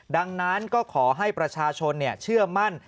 ดังนั้นก็ขอให้ประชาชนเชื่อมั่น